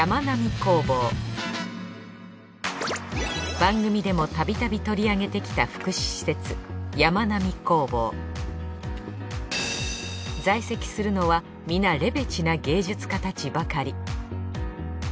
番組でもたびたび取り上げてきた在籍するのは皆レベチな芸術家たちばかり。